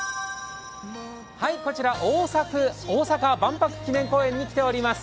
こちら大阪・万博記念公園に来ております。